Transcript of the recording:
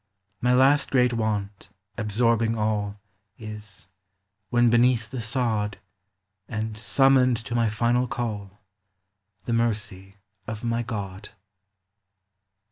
My last great Want — absorbing all — Is, when beneath the sod, And summoned to my final call, The Mercy of my God.